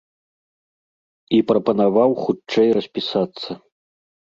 І прапанаваў хутчэй распісацца.